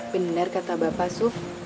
benar kata bapak suf